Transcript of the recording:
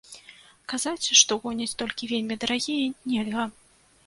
Казаць, што гоняць толькі вельмі дарагія, нельга.